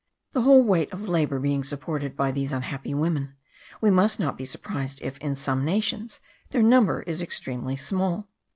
The whole weight of labour being supported by these unhappy women, we must not be surprised if, in some nations, their number is extremely small.